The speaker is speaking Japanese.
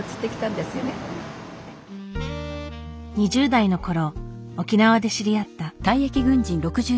２０代の頃沖縄で知り合った。